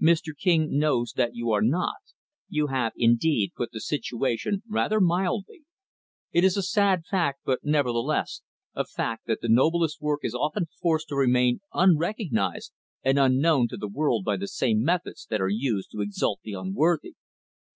"Mr. King knows that you are not. You have, indeed, put the situation rather mildly. It is a sad fact, but, never the less, a fact, that the noblest work is often forced to remain unrecognized and unknown to the world by the same methods that are used to exalt the unworthy.